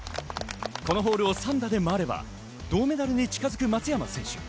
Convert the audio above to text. このホールを３打で回れば銅メダルに近づく松山選手。